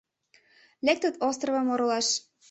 Лектыт островым оролаш